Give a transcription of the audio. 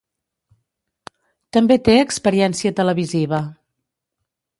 També té experiència televisiva.